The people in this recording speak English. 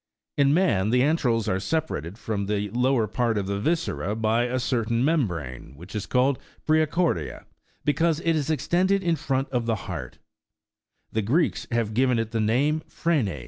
In man, the entrails are separated from the lower part of the viscera by a certain membrane, which is called the "prseeordia," 85 because it is extended in front of the heart ; the Greeks have given it the name of " phrenes."